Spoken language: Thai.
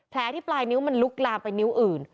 ที่ปลายนิ้วมันลุกลามไปนิ้วอื่น